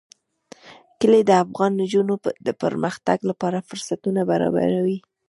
کلي د افغان نجونو د پرمختګ لپاره فرصتونه برابروي.